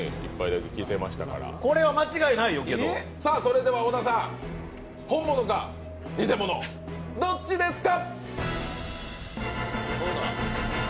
それでは小田さん、本物か偽物、どっちですか？